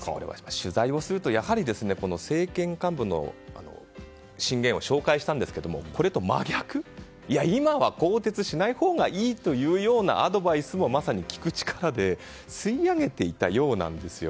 取材をすると政権幹部の進言を紹介したんですがそれと真逆今は更迭しないほうがいいというようなアドバイスもまさに聞く力で吸い上げていたようなんですよ。